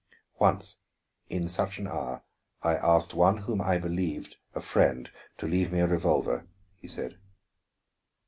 "Once, in such an hour, I asked one whom I believed a friend to leave me a revolver," he said.